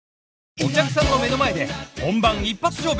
お客さんの目の前で本番一発勝負！